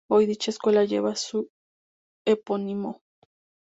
Hoy dicha escuela lleva su epónimo.